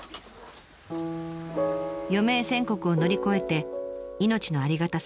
余命宣告を乗り越えて命のありがたさが身にしみた自分。